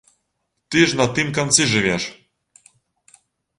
Ты ж на тым канцы жывеш?